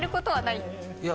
いや。